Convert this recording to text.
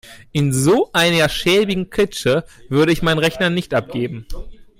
In so einer schäbigen Klitsche würde ich meinen Rechner nicht abgeben.